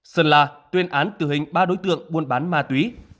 sơn là tuyên án tự hình ba đối tượng buôn bán ma túy